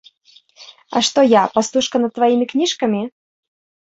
А што я, пастушка над тваімі кніжкамі?